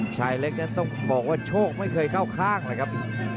ชายเล็กนั้นต้องบอกว่าโชคไม่เคยเข้าข้างเลยครับ